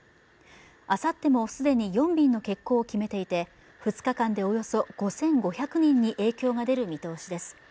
あさっても既に４便の欠航を決めていて２日間でおよそ５５００人に影響が出る見通しです。